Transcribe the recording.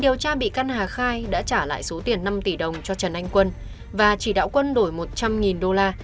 điều tra bị căn hà khai đã trả lại số tiền năm tỷ đồng cho trần anh quân và chỉ đạo quân đổi một trăm linh đô la